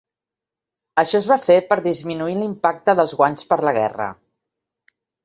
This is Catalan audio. Això es va fer per disminuir l'impacte dels guanys per la guerra.